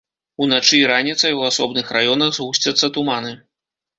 Уначы і раніцай у асобных раёнах згусцяцца туманы.